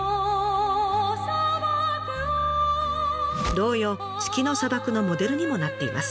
童謡「月の沙漠」のモデルにもなっています。